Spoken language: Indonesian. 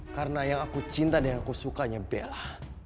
karena yang aku cinta dan yang aku sukanya bella